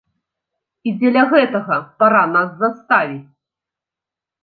І дзеля гэтага пара нас заставіць.